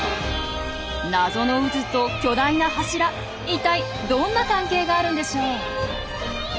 謎の渦と巨大な柱一体どんな関係があるんでしょう？